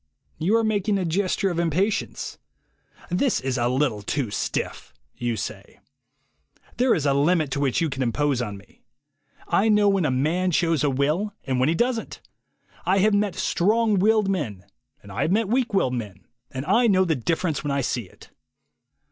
You are making a gesture of impatience. "This is a little too stiff," you say. "There is a limit to which you can impose on me, I know when a 4 THE WAY TO WILL POWER man shows a will, and when he doesn't. I have met strong willed men, and I have met weak willed men, and I know the difference when I see it."